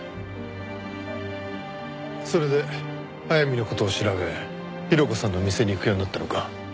それで速水の事を調べヒロコさんの店に行くようになったのか。